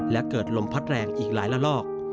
และเกิดลมพัดแรงอีกหลายละลอก